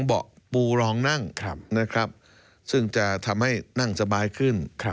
เบาะปูรองนั่งนะครับซึ่งจะทำให้นั่งสบายขึ้น